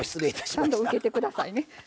ちゃんと受けてくださいね。